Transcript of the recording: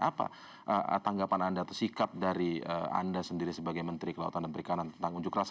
apa tanggapan anda atau sikap dari anda sendiri sebagai menteri kelautan dan perikanan tentang unjuk rasa